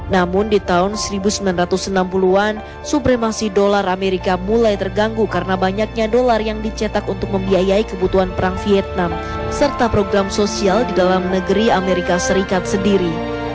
namun di tahun seribu sembilan ratus enam puluh an supremasi dolar amerika mulai terganggu karena banyaknya dolar yang dicetak untuk membiayai kebutuhan perang vietnam serta program sosial di dalam negeri amerika serikat sendiri